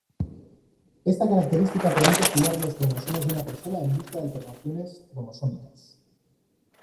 Esta característica permite estudiar los cromosomas de una persona en busca de alteraciones cromosómicas.